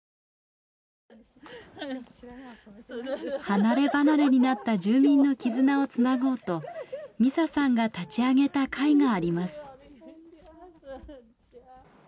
離ればなれになった住民の絆をつなごうと美佐さんが立ち上げた会があります。